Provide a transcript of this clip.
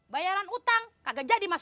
bayaran aku gak ada